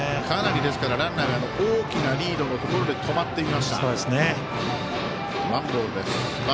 かなりランナーが大きなリードのところで止まっていました。